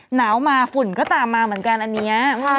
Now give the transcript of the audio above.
หนาวมาฝุ่นก็ตามมาเหมือนกันอันนี้